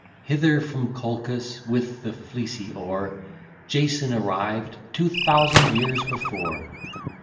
Hither from Colchos, with the fleecy ore, Jason arrived two thousand years before.